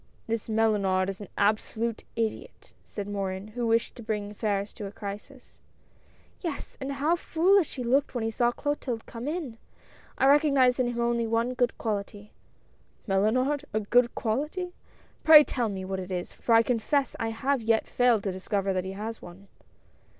" This Mellunard is an absolute idiot," said Morin, who wished to bring affairs to a crisis. " Yes, and how foolish he looked when he saw Clo tilde come in. I recognize in him only one good quality." " Mellunard ! a good quality ? Pray tell me what it is, for I confess I have yet failed to discover that he has one."